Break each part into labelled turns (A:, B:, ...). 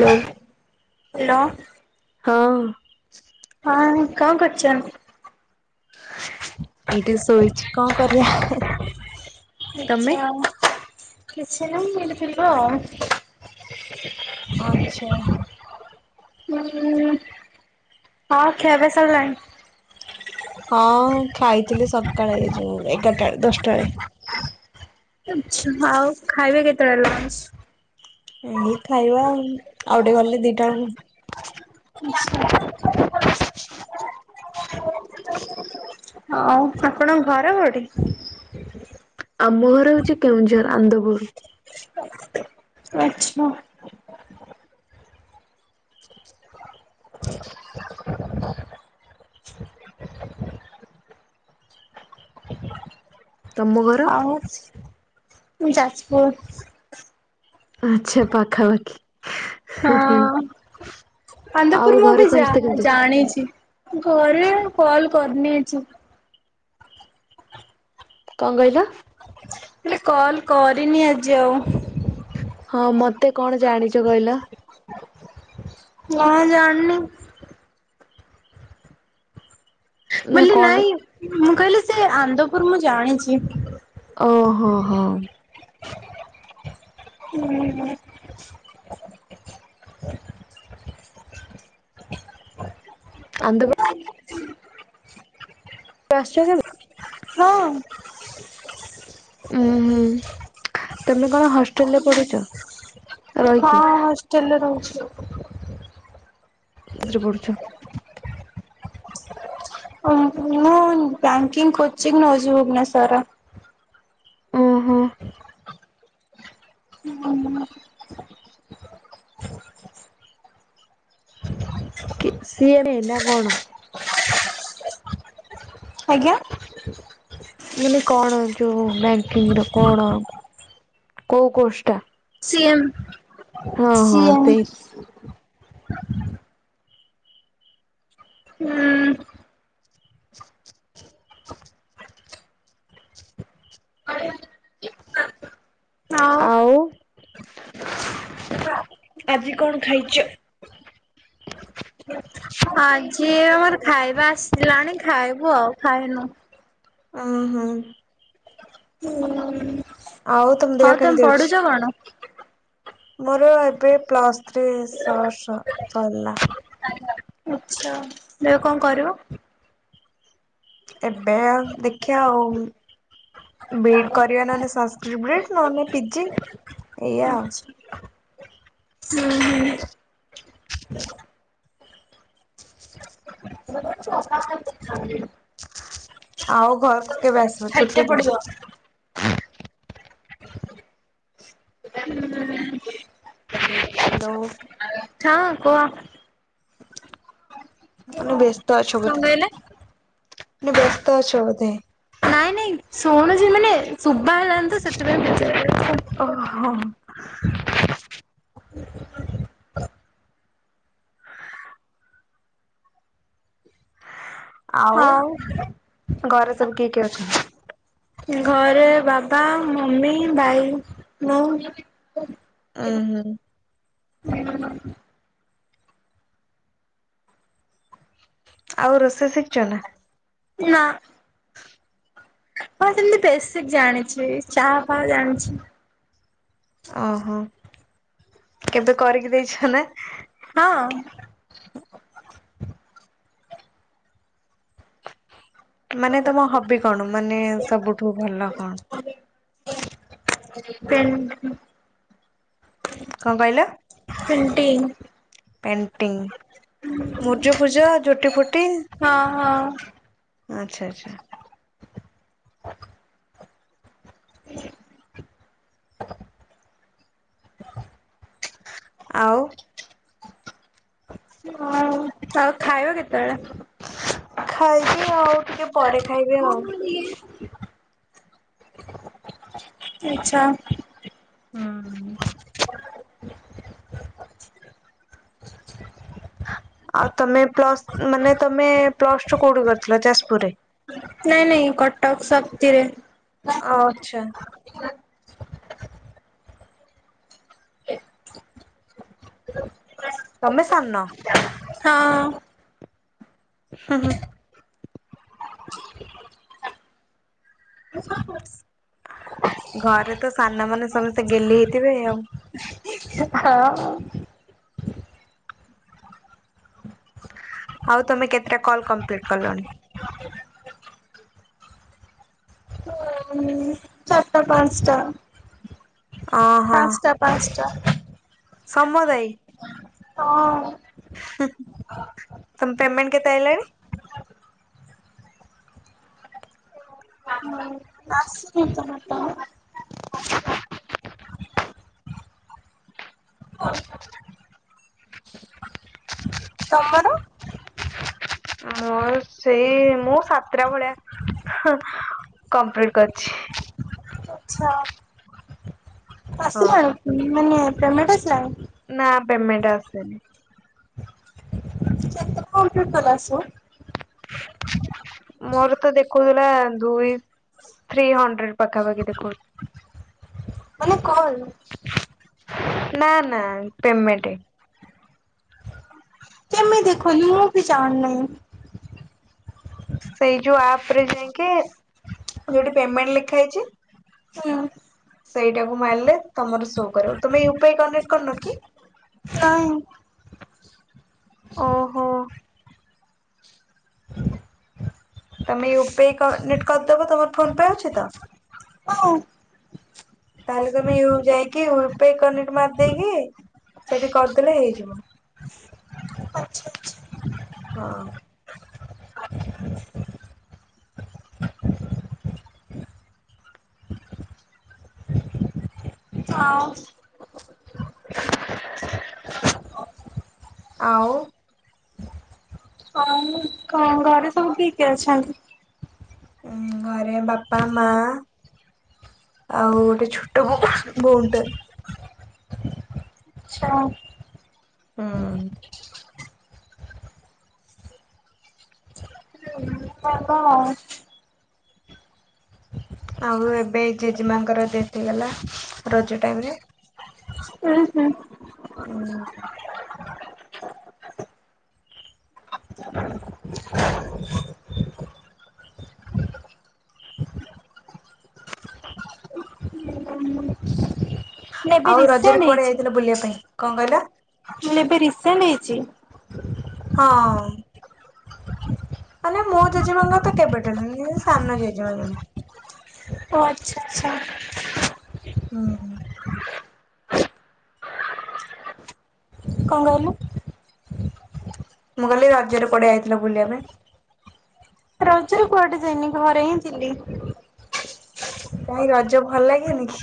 A: ଲୋ।
B: Hello.
A: ହଁ।
B: ହଁ କଣ କରୁଛ?
A: ଏଇଠି ଶୋଇଚି କଣ କରିବା। ତମେ?
B: ଆଛା କିଛି ନାହିଁ ମିଳିଥିବ ଆଉ।
A: ଆଛା।
B: ହୁଁ ହଁ ଖିଆପିଆ ସାରିଲାଣି।
A: ହଁ ଖାଇଥିଲି ସକାଳେ ଏ ଯୋଉ ଏଗାରଟାଳେ ଦଶଟା ବେଳେ।
B: ଆଛା ଆଉ ଖାଇବା କେତେବେଳେ ଲଞ୍ଚ?
A: ଏଇ ଖାଇବା ଆଉ ଆଉ ଟିକେ ଗଲେ ଦିଟା ବୁଳୁକୁ।
B: ଆଚ୍ଛା। ହଉ ଆପଣଙ୍କ ଘର କଉଠି?
A: ଆମ ଘର ହଉଚି କେଉଁଝର ଅନ୍ଦପୂରୁ।
B: ଆଚ୍ଛା। ହ। ହଁ।
A: ତମ ଘର
B: ଆଉ ମୁଁ ଯାଜପୁର।
A: ଆଚ୍ଛା ପାଖାପାଖି।
B: ହଁ
A: ଆଉ
B: ପନ୍ଦପୁର ମୁଁ
A: ଘରେ
B: ବି ଯା
A: ସମସ୍ତେ କେମିତି ଅଛି
B: ଜାଣିଛି। ଘରେ କଲ କରିନି ଆଜି।
A: କଣ କହିଲ।
B: ହେଲେ କଲ କରିନି ଆଜି ଆଉ।
A: ହଁ ମତେ କଣ ଜାଣିଚ କହିଲ।
B: ନା ଜାଣିନି।
A: ନା
B: ବୋଲେ
A: କଣ
B: ନାଇଁ ମୁଁ କହିଲି ସେ ଆନ୍ଦପୁର ମୁଁ ଜାଣିଛି।
A: ଓ ହୋ ହୋ।
B: ହୁଁ।
A: ଆନନ୍ଦପ କେବେ ଆସିଚ କେବେ?
B: ହଁ।
A: ଉଁ ହୁଁ ତମେ କଣ ହଷ୍ଟେଲ ରେ ପଢୁଚ?
B: ହଁ ହଷ୍ଟେଲରେ ରହୁଛି।
A: କୋଉଥିରେ ପଡୁଛ?
B: ମୁଁ ବ୍ୟାଙ୍କିଙ୍ଗ କୋଚିଂ ନଉଚି ଭୁବନେଶ୍ୱର ରେ।
A: ଓହୋ।
B: ନ ମନା।
A: କି ସିଏମ ନା କଣ।
B: ଆଜ୍ଞା।
A: ମାନେ କଣ ଯୋଉ ବ୍ୟାଙ୍କିଙ୍ଗ ର କଣ କୋଉ କୋସ ଟା।
B: ସିଏମ୍
A: ହଁ ହଁ
B: ସିଏମ୍।
A: ସେଇ
B: ହୁଁ।
A: [inaudible] ଆଉ ଆଜି କଣ ଖାଇଚ?
B: ଆଜି ଆମର ଖାଇବା ଆସିଲାଣି ଖାଇବୁ ଆଉ ଖାଇନୁ।
A: ଉଁ ହୁଁ।
B: ହୁଁ।
A: ଆଉ ତମ ଦେହ କେମିତି ଅଛି?
B: କଣ?
A: ମୋର ଏବେ ପ୍ଲସ୍ ଥ୍ରୀ ସର୍ଟସ ସରିଲା।
B: ତ ଏବେ କଣ କରିବ?
A: ଏବେ ଆଉ ଦେଖିଆ ଆଉ ବିଡି କରିବା ନହଲେ ସଂକ୍ରିଟ ବ୍ରିଡ ନହେଲେ ପିଜି ଏଇୟା ଆଉ।
B: ଆଚ୍ଛା। ହୁଁ ହୁଁ
A: [inaudible]
B: [unintelligible]
A: ଆଉ ଘରକୁ କେବେ ଆସିବ
B: ଖାଇତେ
A: ଛୁଟିରେ?
B: ପଡିବ ହଁ [unintelligible]
A: ହାଲୋ।
B: ହଁ କୁଅ?
A: ମାନେ ବ୍ୟସ୍ତ ଅଛ
B: କଣ
A: ବୋଧେ
B: କହିଲେ?
A: ମାନେ ବ୍ୟସ୍ତ ଅଛ ବୋଧେ?
B: ନାଇଁ ନାଇଁ ଶୁଣୁଛି ମାନେ ଶୁଭା ହେଲାଣି ତ, ସେଥିପାଇଁ ପଚାରିଲି ଆଚ୍ଛା।
A: ଓହୋ ହୋ। ଆଉ,
B: ହଉ।
A: ଘରେ ସବୁ କିଏ କିଏ ଅଛନ୍ତି?
B: ଘରେ ବାବା, ମମି, ଭାଇ, ମୁଁ।
A: ଉଁ ହୁଁ।
B: [unintelligible]
A: ଆଉ ରୋଷେଇ ଶିଖିଛ ନା?
B: ନା। ହଁ ସେମତି ପେସିିକ୍ ଜାଣିଛି। ଚାହା ଫାହା ଜାଣିଛି।
A: ଅହ, କେବେ କରିକି ଦେଇଛ ନା?
B: ହଁ।
A: ମାନେ ତମ ହବି କଣ ମାନେ ସବୁଠୁ ଭଲ କଣ?
B: ପେନ୍ ଉଁ ହୁଁ।
A: କଁ କଇଲ?
B: ପେଣ୍ଟିଙ୍ଗ୍।
A: ପେଣ୍ଟିଙ୍ଗ୍ ମୂର୍ଜ ଫୁର୍ଜ ଝୋଟି ଫୋଟି
B: ହଁ ହଁ।
A: ଆଚ୍ଛା ଆଚ୍ଛା। ଆଉ?
B: ଆଉ? ଖାଇବ କେତେବେଳେ?
A: ଖାଇଛି ଆଉ ଟିକେ ପରେ ଖାଇବି ଆଉ।
B: ଆଚ୍ଛା।
A: ହୁଁ। ଆଉ ତମେ ପ୍ଲସ୍ ମାନେ ତମେ ପ୍ଲସ ଟୁ କୋଉଠି କରିଥିଲ? ଯାଜପୁର ରେ?
B: ନାଇଁ ନାଇଁ, କଟକ୍ ସବତିରେ।
A: ଅ ଆଚ୍ଛା। ତମେ ସାନ?
B: ହଁ।
A: ହୁଁ ହୁଁ।
B: [inaudible]
A: ଘରେ ତ ସାନମାନେ ସମସ୍ତେ ଗେହ୍ଲି ହେଇଥିବେ ଆଉ।
B: [unintelligible]
A: ଆଉ ତମେ କେତେଟା କଲ୍ କମ୍ପ୍ଲିଟ୍ କଲଣି?
B: [inaudible] ଆଟ୍ଟା ପାଞ୍ଚଟା।
A: ଅହଁ
B: ପାଞ୍ଚଟା ପାଞ୍ଚଟା।
A: ସମଦାୟୀ।
B: ହଁ।
A: ହୁଁ ହୁଁ ତମ ପେମେଣ୍ଟ କେତେ ଆଇଲାଣି?
B: [unintelligible] [unintelligible] ତମର?
A: ମୋର ସେଇ, ମୁଁ ସାତଟା ଭଳିଆ ହୁଁ କମ୍ପ୍ଲିଟ କରିଛି।
B: ଆଚ୍ଛା।
A: ହଁ
B: ଆସିଲାଣି ମାନେ ପେମେଣ୍ଟ ଆସିଲାଣି?
A: ନା ପେମେଣ୍ଟ ଆସିନି।
B: [unintelligible] ଆସିବ। ହ
A: ମୋର ତ ଦେଖଉଥିଲା ଦୁଇ, ଥ୍ରୀ ହଣ୍ଡ୍ରେଡ ପାଖାପାଖି ଦେଖଉ
B: ମାନେ କଲ୍।
A: ନା ନା ପେମେଣ୍ଟ।
B: ଦେଖଉନି ମୁଁ ବି ଜାଣି ନାହିଁ।
A: ସେଇ ଯୋଉ ଆପରେ ଯାଇଁକି, ଯୋଉଠି ପେମେଣ୍ଟ ଲେଖା ହେଇଛି।
B: ହୁଁ।
A: ସେଇଟାକୁ ମାରିଲେ ତମର ଶୋ କରିବ, ତମେ ୟୁପିଆଇ କନେକ୍ଟ କରିନ କି?
B: ନାଇଁ।
A: ଓ ହୋ। ତମେ ଏବେ କନେକ୍ଟ କରିଦବ ତମର ଫୋନ ପେ ଅଛି ତ?
B: ଓ
A: ତାହେଲେ ତମେ ୟୁ ଯାଇକି ୟୁପିଆଇ କନେକ୍ଟ ମାରିଦେଇକି, ସେଠି କରିଦେଲେ ହେଇଯିବ।
B: ଆଚ୍ଛା। ଆଚ୍ଛା
A: ହଁ।
B: ଆଉ
A: ଆଉ
B: ଆଉ-ଉ-ଉ ଖ ହଁ ଘରେ ସବୁ କିଏ କିଏ ଅଛନ୍ତି?
A: ଉଁ ଘରେ ବାପା ମାଆ ଆଉ-ଉ-ଉ ଗୋଟେ ଛୋଟ ଭଉ ଭଉଣୀଟେ‌ ଅଛି।
B: ଆଚ୍ଛା।
A: ହୁଁ।
B: ଆଉ କଣ?
A: ଆଉ ଏବେ ଜେଜେମାଙ୍କର ଡେଥ୍ ହେଇଗଲା ରଜ ଟାଇମ ରେ।
B: ଉୁଁ ହୁଁ।
A: ଓ ହୋ।
B: ଡ଼
A: ହଁ
B: ଏବେ
A: ଆଉ ରଜରେ
B: ରିସେଣ୍ଟ
A: କୁଆଡେ
B: ହେଇଛି?
A: ଯାଇଥିଲ ବୁଲିଆ ପାଇଁ କଁ କହିଲା?
B: ମୁଁ ଏବେ ରିକ୍ସା ନେଇଛି।
A: ହଁ। ମାନେ ମୋ ଜେଜେମାଙ୍କର ତ କେବେ [unintelligible]
B: ଓ ଆଚ୍ଛା ଆଚ୍ଛା।
A: ଅ ହ।
B: କଁ କହିଲୁ?
A: ମୁଁ କହିଲି ରଜରେ କୁଆଡେ ଯାଇଥିଲ ବୁଲିବା ପାଇଁ?
B: ରଜରେ କୁଆଡେ ଯାଇନି ଘରେ ହିଁ ଥିଲି।
A: କାଇଁ ରଜ ଭଲ ଲାଗେନି ଖି?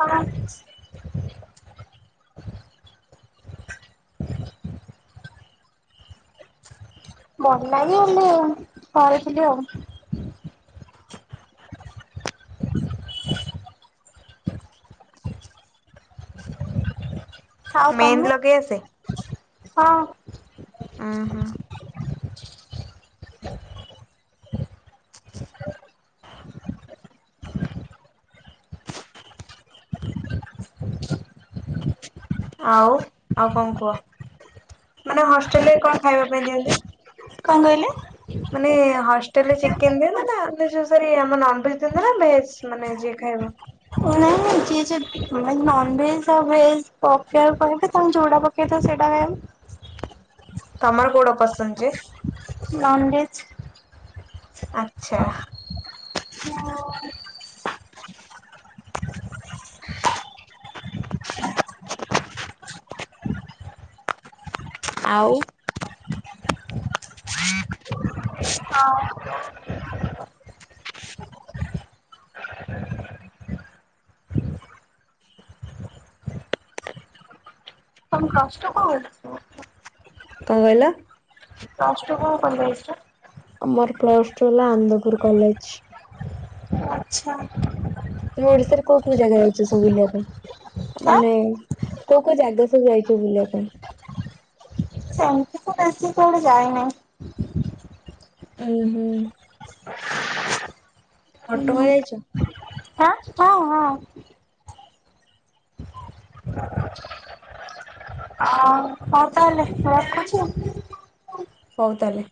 B: ହଁ। ଭଲ ଲାଗେ ହେଲେ ଘରେଥିଲି ଆଉ। ହାଉ
A: ମେହେନ୍ଦୀ
B: ତମେ
A: ଲଗେଇ ଆସେ
B: ହଁ।
A: ଆଁ ହା। ଆଉ ଆଉ କଁ କୁହ। ମାନେ ହଷ୍ଟେଲରେ କଁ ଖାଇବା ପାଇଁ ଦିଅନ୍ତି?
B: କଁ କହିଲ?
A: ମାନେ ହଷ୍ଟେଲରେ ଚିକେନ ଦିଅନ୍ତିନା ଆମେଯୋଉସାରେ ଆମ ନନଭେଜ ଦିଅନ୍ତି ନା ଭେଜ୍‌? ମାନେ ଯିଏ ଖାଇବ।
B: ନାଇଁ ଯିଏ ସେ ନ ନନଭେଜ ଆଉ ଭେଜ ପକେଇଆକୁ କହିବ ତମ୍ ଯୋଉଟା ପକେଇଥିବ ସେଇଟା ଖାଇବ।
A: ତମର କୋଉଡା ପସନ୍ଦ ଯେ?
B: ନନ୍‌ଭେଜ୍।
A: ଆଚ୍ଛା।
B: ହୋ।
A: ଆଉ।
B: ହ। ତମୁ କଷ୍ଟ କଁ ହଉ ରୁହ।
A: କଁ କହିଲ?
B: ପ୍ଲସ ଟୁ କୋଉ କଲେଜର?
A: ଅ ମୋର ପ୍ଲସ ଟୁ ହେଲା ଆନ୍ଦପୁର କଲେଜ।
B: ଆଚ୍ଛା।
A: ତମେ ଓଡିଶାରେ କୋଉ କୋଉ ଜାଗା ଯଇଛ ସବୁ ବୁଲିବା ପାଇଁ
B: ହାଁ
A: ମାନେ କୋଉ କୋଉ ଜାଗା ସବୁ ଯାଇଛ ବୁଲିବା ପାଇଁ?
B: ସେମତି ତ ବେଶୀ କୁଆଡ଼େ ଯାଇ ନାହିଁ।
A: ହୁଁ ହୁଁ। ଘଟଗାଁ ଯାଇଚ?
B: ହାଁ ହଁ ହଁ। ଆଉ ହଉ ତାହେଲେ ମୁଁ ରଖୁଚି ଆଉ।
A: ହଉ ତାହେଲେ